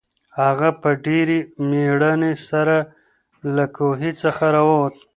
هغه په ډېرې مېړانې سره له کوهي څخه راووت.